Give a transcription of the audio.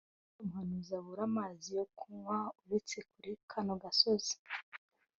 nta handi umuhanuzi abura amazi yo kunywa uretse kuri kano gasozi